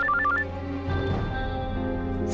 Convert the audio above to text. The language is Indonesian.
sampai jumpa lagi